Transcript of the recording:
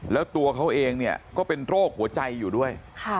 แล้วตัวเขาเองเนี่ยก็เป็นโรคหัวใจอยู่ด้วย